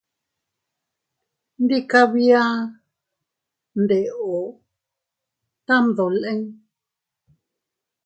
Ndika bia, ndeeo tam dolin.